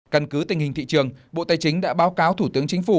căn cứ tình hình thị trường bộ tài chính đã báo cáo thủ tướng chính phủ